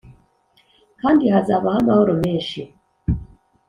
kandi hazabaho amahoro menshi,